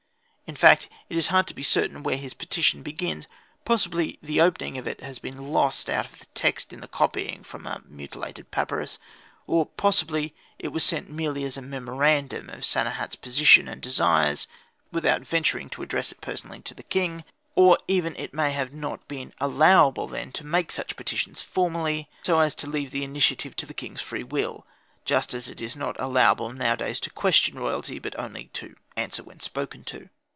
In fact it is hard to be certain where his petition begins; possibly the opening of it has been lost out of the text in copying from a mutilated papyrus; or possibly it was sent merely as a memorandum of Sanehat's position and desires, without venturing to address it personally to the king; or even it may have not been allowable then to make such petitions formally, so as to leave the initiative to the king's free will, just as it is not allowable nowadays to question royalty, but only to answer when spoken to.